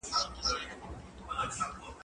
ته ولي سبزیجات تياروې!.